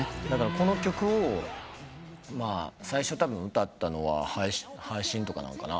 この曲を最初たぶん歌ったのは配信とかなのかな？